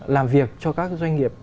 làm việc cho các doanh nghiệp của họ